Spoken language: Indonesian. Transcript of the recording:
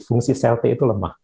fungsi sel t itu lemah